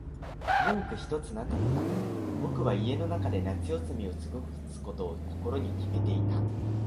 文句ひとつなかった。僕は家の中で夏休みを過ごすことを心に決めていた。